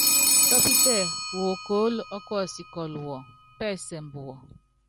Tɔ́pítɛ wokóólo ɔ́kuɔsikɔ́lu wɔ, pɛ́sɛmbɛ wɔ.